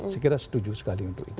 saya kira setuju sekali untuk itu